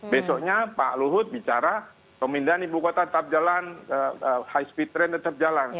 besoknya pak luhut bicara pemindahan ibu kota tetap jalan high speed train tetap jalan